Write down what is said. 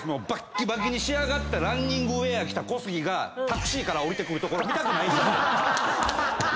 バッキバキに仕上がったランニングウエア着た小杉がタクシーから降りてくるところ見たくないんですよ。